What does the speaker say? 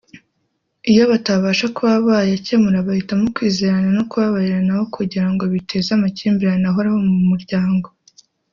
iyo batabasha kuba bayakemura bahitamo kwizerana no kubabarirana aho kugirango biteze amakimbirane ahoraho mu muryango